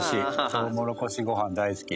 トウモロコシご飯大好き。